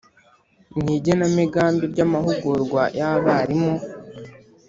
mu igenamigambi ry amahugurwa y abarimu